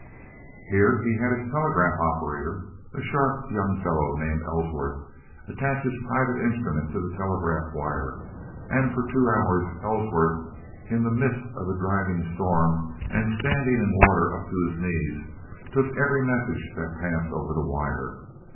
Here he had his telegraph operator, a sharp young fellow named Ellsworth, attach his private instrument to the telegraph wire, and for two hours Ellsworth, in the midst of a driving storm and standing in water up to his knees, took every message that passed over the wire.